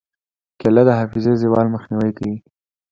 کېله د حافظې زوال مخنیوی کوي.